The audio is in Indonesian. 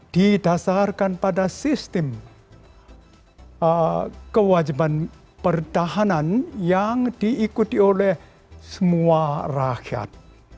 didasarkan pada sistem kewajiban pertahanan yang diikuti oleh semua rakyat